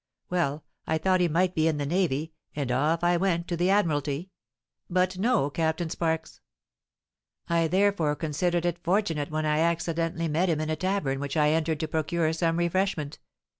Well—I thought he might be in the Navy, and off I went to the Admiralty; but no Captain Sparks! I therefore considered it fortunate when I accidentally met him in a tavern which I entered to procure some refreshment.